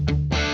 aku mau ke sana